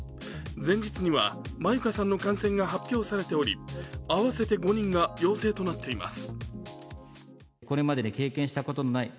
前日にはＭＡＹＵＫＡさんの感染が発表されており合わせて５人が陽性となっています